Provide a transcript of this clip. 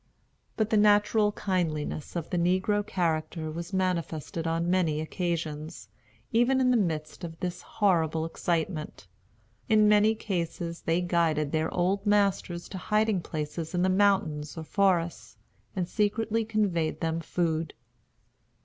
But the natural kindliness of the negro character was manifested on many occasions, even in the midst of this horrible excitement. In many cases they guided their old masters to hiding places in the mountains or forests, and secretly conveyed them food.